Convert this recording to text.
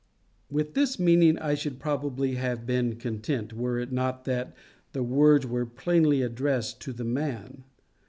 With this meaning I should probably have been content, were it not that the words were plainly addressed to the man.